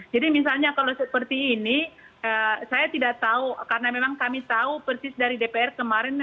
jadi misalnya kalau seperti ini saya tidak tahu karena memang kami tahu persis dari dpr kemarin